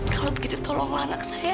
kalau begitu tolonglah anak saya